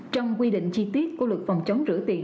trong quy định chi tiết của luật phòng chống rửa tiền